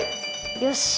よし！